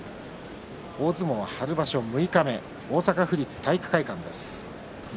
大相撲春場所、六日目大阪府立体育会館です。